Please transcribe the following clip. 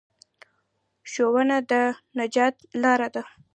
ښوونه د نجات لاره ده.